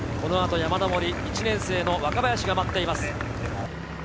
この後は山上り、１年生・若林が待っています。